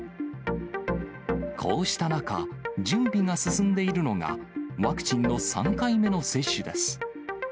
こうした中、準備が進んでいるのが、ワクチンの３回目の接種です。